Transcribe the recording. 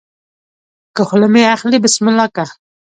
که خوله مې اخلې بسم الله که